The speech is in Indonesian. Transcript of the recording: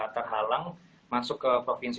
terhalang masuk ke provinsi